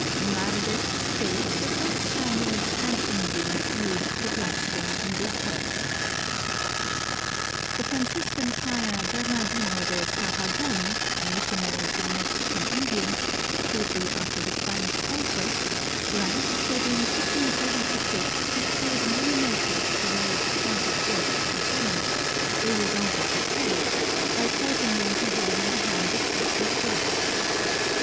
Monardes states that both Spaniards and Indians used the bloodstone in this way. The Franciscan friar Bernardino de Sahagun, a missionary to the Mexican Indians, shortly after the Spanish Conquest, writes that in 1576 he cured many natives who were at the point of death from hemorrhage, a result of the plague, by causing them to hold in the hand a piece of bloodstone.